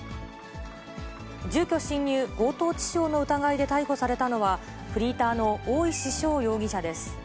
住居侵入・強盗致傷の疑いで逮捕されたのは、フリーターの大石翔容疑者です。